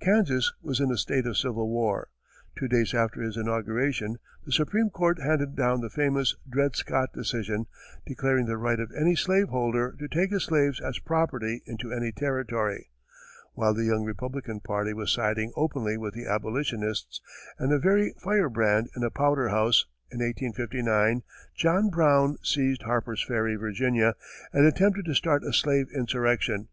Kansas was in a state of civil war; two days after his inauguration the Supreme Court handed down the famous Dred Scott decision, declaring the right of any slave holder to take his slaves as property into any territory; while the young Republican party was siding openly with the abolitionists, and, a very firebrand in a powder house, in 1859, John Brown seized Harper's Ferry, Virginia, and attempted to start a slave insurrection.